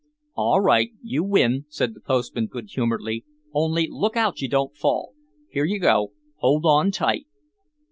"All right, you win," said the postman, good humoredly, "only look out you don't fall; here you go, hold on tight."